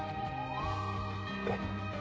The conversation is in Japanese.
えっ。